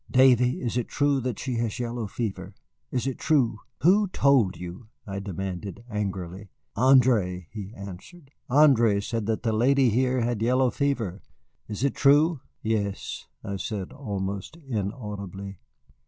"Davy, is it true that she has yellow fever? Is it true?" "Who told you?" I demanded angrily. "André," he answered. "André said that the lady here had yellow fever. Is it true?" "Yes," I said almost inaudibly.